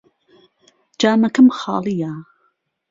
جامەکەم خاڵییە.